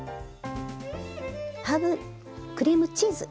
ハーブクリームチーズ。